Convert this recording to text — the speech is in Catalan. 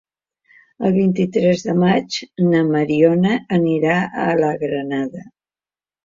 El vint-i-tres de maig na Mariona anirà a la Granada.